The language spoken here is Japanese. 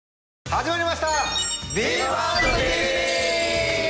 始まりました！